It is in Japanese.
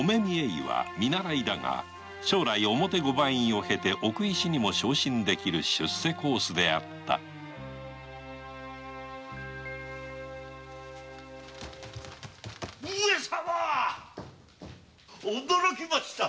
医は見習いだが将来表御番医を経て奥医師にも昇進できる出世コースであった上様驚きました。